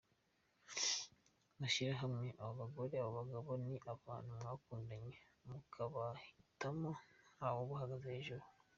Mushyire hamwe, abo bagore, abo bagabo ni abantu mwakundanye mukabahitamo ntawubahagaze hejuru.